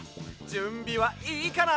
じゅんびはいいかな？